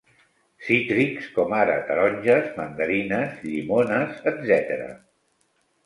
Cítrics, com ara taronges, mandarines, llimones, etc.